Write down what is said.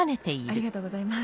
ありがとうございます。